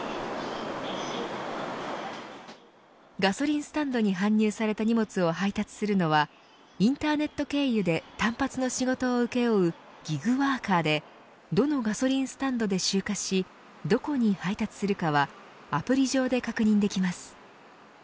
ガソリンスタンドに搬入された荷物を配達するのはインターネット経由で単発の仕事を請け負うギグワーカーでどのガソリンスタンドで集荷しどこに配達するかはアプリ上で確認できます。